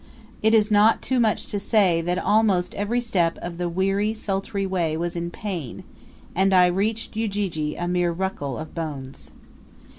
It is not too much to say that almost every step of the weary sultry way was in pain, and I reached Ujiji a mere ruckle of bones.